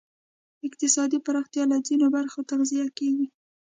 اقتصادي پراختیا له ځینو برخو تغذیه کېږی.